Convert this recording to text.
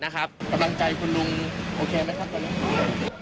กำลังใจคุณลุงโอเคไหมครับตอนนี้